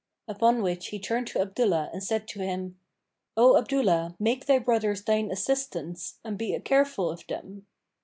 Upon which he turned to Abdullah and said to him, "O Abdullah, make thy brothers thine assistants and be careful of them."